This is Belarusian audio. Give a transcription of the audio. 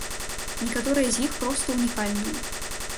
Некаторыя з іх проста ўнікальныя.